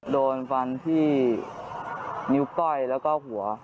โดนฟันที่นิ้วก้อยแล้วก็หัว